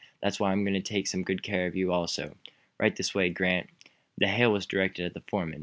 That's why I am going to take some good care of you, also. Right this way, Grant!" The hail was directed at the foreman.